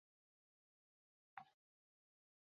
模式种是诺瓦斯颜地龙为名。